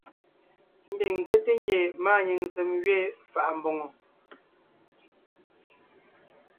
Ḿbiŋ ńzέte ngie màanyìŋ ntsém gẅiin fà’a mbòŋo.